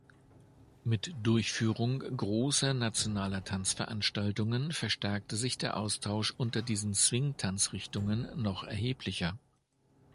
Mit Durchführung großer, nationaler Tanzveranstaltungen verstärkte sich der Austausch unter diesen Swing-Tanzrichtungen noch erheblicher.